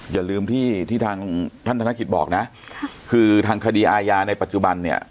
อย่าลืมที่ที่ทางท่านธนกิจบอกนะคือทางคดีอาญาในปัจจุบันเนี่ย